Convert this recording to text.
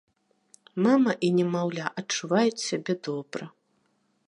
Мама і немаўля адчуваюць сябе добра.